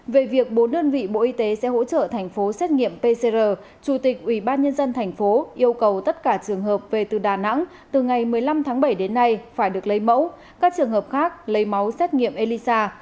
về việc bốn đơn vị bộ y tế sẽ hỗ trợ thành phố xét nghiệm pcr chủ tịch ubnd tp yêu cầu tất cả trường hợp về từ đà nẵng từ ngày một mươi năm tháng bảy đến nay phải được lấy mẫu các trường hợp khác lấy máu xét nghiệm elisa